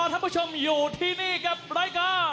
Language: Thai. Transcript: ท่านผู้ชมอยู่ที่นี่กับรายการ